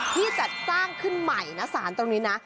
ที่จัดสร้างขึ้นใหม่นะสารตรงนี้นะ